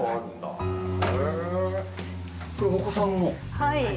はい。